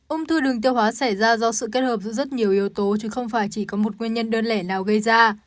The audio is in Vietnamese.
ung thư đường tiêu hóa xảy ra do sự kết hợp giữa rất nhiều yếu tố chứ không phải chỉ có một nguyên nhân đơn lẻ nào gây ra